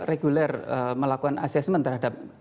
reguler melakukan assessment terhadap